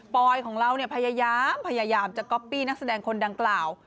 ปอยของเราพยายามจะก๊อปปี้นักแสดงคนดังกล่าว